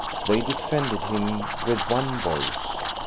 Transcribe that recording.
They defended him with one voice.